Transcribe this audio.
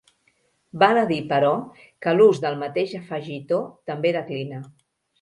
Val a dir, però, que l'ús del mateix afegitó també declina.